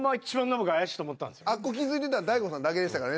あっこ気付いてたん大悟さんだけでしたからね。